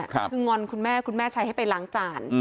คืองอนคุณแม่คุณแม่ใช้ให้ไปล้างจาน